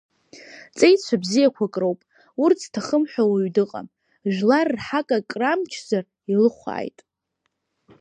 Ҵеицәа бзиақәак роуп, урҭ зҭахым ҳәа уаҩ дыҟам, жәлар рҳақ акры амчзар илыхәааит…